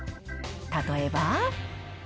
例えば。